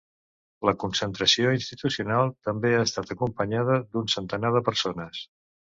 La concentració institucional també ha estat acompanyada d’un centenar de persones.